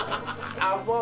ああそう！